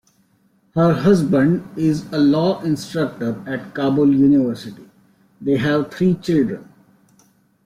Her husband is a law instructor at Kabul University; they have three children.